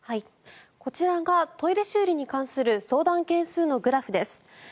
こちらがトイレ修理に関する相談件数のグラフです。